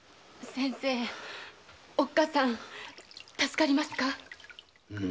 先生おっかさん助かりますか？